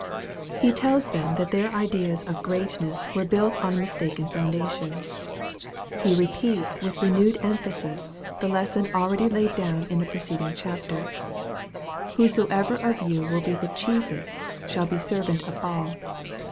He tells them that their ideas of greatness were built on a mistaken foundation. He repeats with renewed emphasis, the lesson already laid 10 218 EXPOSITORY THOUGHTS. down in the preceding chapter, "Whosoever of you will be the chiefest shall be servant of all."